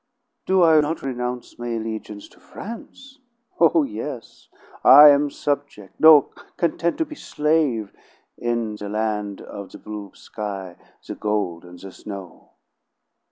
Do I not renounce my allegiance to France? Oh, yes! I am subjec' no, content to be slave in the lan' of the blue sky, the gold, and the snow.